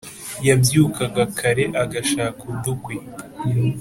yabyukaga kare agashaka udukwi,